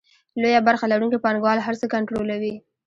لویه برخه لرونکي پانګوال هر څه کنټرولوي